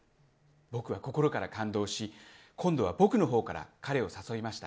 僕は心から感動し、今度は僕の方から彼を誘いました。